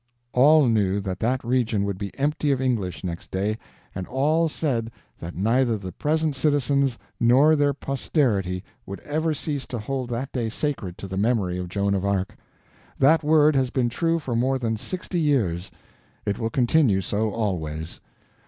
All knew that that region would be empty of English next day, and all said that neither the present citizens nor their posterity would ever cease to hold that day sacred to the memory of Joan of Arc. That word has been true for more than sixty years; it will continue so always.